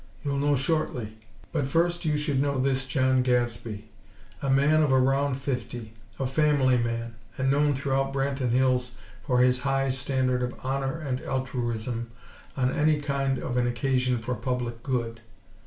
You'll know shortly; but first, you should know this John Gadsby; a man of "around fifty;" a family man, and known throughout Branton Hills for his high standard of honor and altruism on any kind of an occasion for public good.